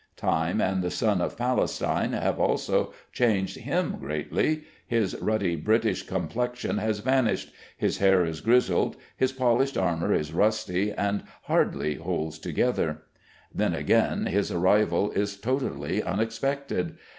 Time and the sun of Palestine have also changed him greatly; his ruddy British complexion has vanished, his hair is grizzled, his polished armor is rusty, and hardly holds together. Then again his arrival is totally unexpected.